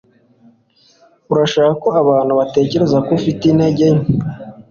Urashaka ko abantu batekereza ko ufite intege nke